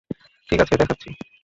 ঠিক আছে দেখাচ্ছি।